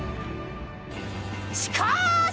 しかーし！